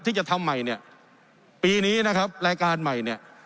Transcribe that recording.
ที่จะทำใหม่เนี่ยปีนี้นะครับรายการใหม่เนี่ย